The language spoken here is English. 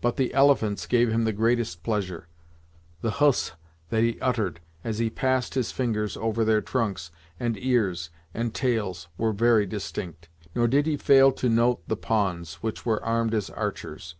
But the elephants gave him the greatest pleasure. The "Hughs!" that he uttered, as he passed his fingers over their trunks, and ears, and tails, were very distinct, nor did he fail to note the pawns, which were armed as archers.